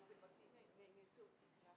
nghe lời bố mẹ không